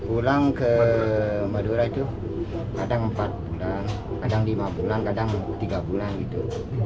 pulang ke madura itu kadang empat bulan kadang lima bulan kadang tiga bulan gitu